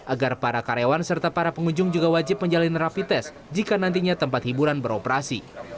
agar para karyawan serta para pengunjung juga wajib menjalin rapi tes jika nantinya tempat hiburan beroperasi